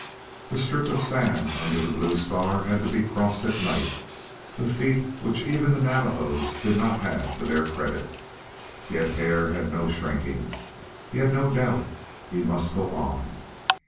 The strip of sand under the Blue Star had to be crossed at night a feat which even the Navajos did not have to their credit. Yet Hare had no shrinking; he had no doubt; he must go on.